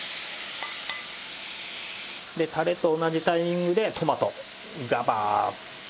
でタレと同じタイミングでトマトガバーッ！